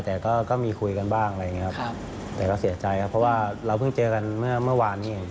แต่ก็มีคุยกันบ้างอะไรอย่างนี้